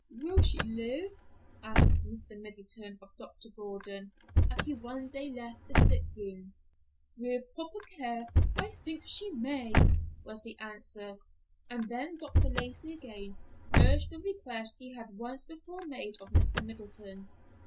"Will she live?" asked Mr. Middleton of Dr. Gordon, as he one day left the sick room. "With proper care, I think she may," was the answer; and then Dr. Lacey again urged the request he had once before made of Mr. Middleton.